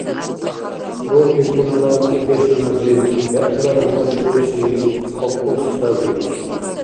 Тропикунала цӀедешуназиб бегӀлара машгьурси кокос саби.